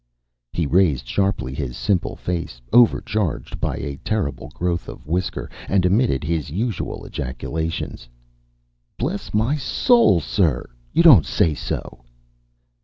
He raised sharply his simple face, overcharged by a terrible growth of whisker, and emitted his usual ejaculations: "Bless my soul, sir! You don't say so!"